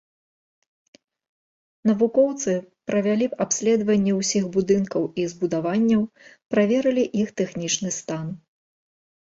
Навукоўцы правялі абследаванне ўсіх будынкаў і збудаванняў, праверылі іх тэхнічны стан.